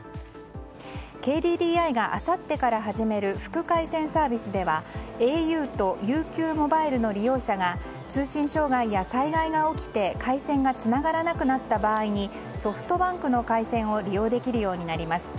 ＫＤＤＩがあさってから始める副回線サービスではａｕとＵＱモバイルの利用者が通信障害や災害が起きて回線がつながらなくなった場合にソフトバンクの回線を利用できるようになります。